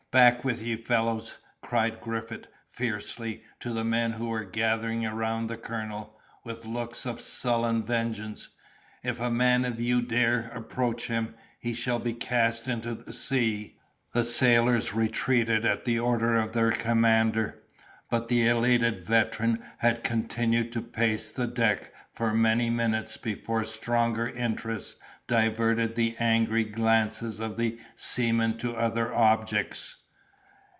back with ye, fellows!" cried Griffith, fiercely, to the men who were gathering around the colonel, with looks of sullen vengeance. "If a man of you dare approach him, he shall be cast into the sea." The sailors retreated at the order of their commander; but the elated veteran had continued to pace the deck for many minutes before stronger interests diverted the angry glances of the seamen to other objects.